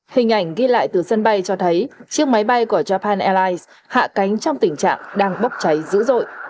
hình ảnh ghi lại từ sân bay cho thấy chiếc máy bay của japan airlines hạ cánh trong tình trạng đang bốc cháy dữ dội